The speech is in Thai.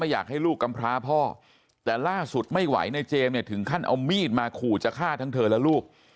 อยากให้ลูกกำพร้าพ่อแต่ล่าสุดไม่ไหวในเจมส์เนี่ยถึงขั้นเอามีดมาขู่จะฆ่าทั้งเธอและลูก